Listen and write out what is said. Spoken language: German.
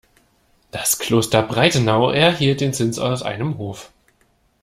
Das Kloster Breitenau erhielt den Zins aus einem Hof.